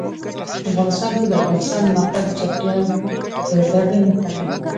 افغانستان کې د افغانستان د موقعیت د چاپېریال د تغیر نښه ده.